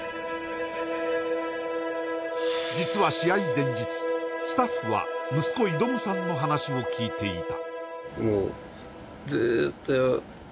前日スタッフは息子挑己さんの話を聞いていた